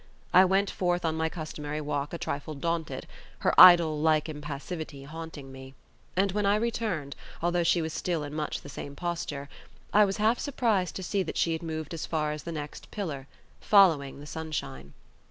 I went forth on my customary walk a trifle daunted, her idol like impassivity haunting me; and when I returned, although she was still in much the same posture, I was half surprised to see that she had moved as far as the next pillar, following the sunshine.